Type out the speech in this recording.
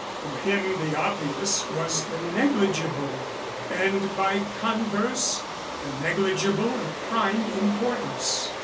For him the obvious was the negligible and by converse the negligible of prime importance.